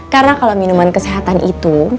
karena kalau minuman kesehatan itu